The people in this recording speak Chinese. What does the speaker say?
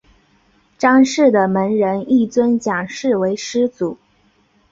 章氏的门人亦尊蒋氏为师祖。